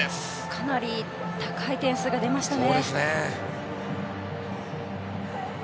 かなり高い点数が出ましたね。